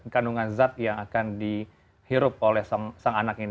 kandungan zat yang akan dihirup oleh sang anak ini